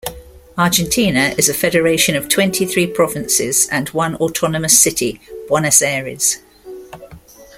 Argentina is a federation of twenty-three provinces and one autonomous city, Buenos Aires.